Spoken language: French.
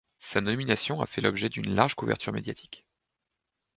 Sa nomination a fait l'objet d'une large couverture médiatique.